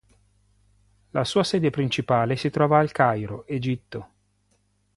La sua sede principale si trova al Cairo, Egitto.